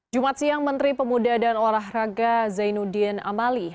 jumat siang menteri pemuda dan olahraga zainuddin amali